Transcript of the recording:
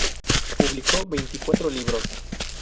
Publicó veinticuatro libros.